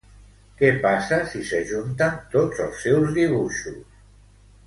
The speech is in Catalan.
Què passa si s'ajunten tots els seus dibuixos?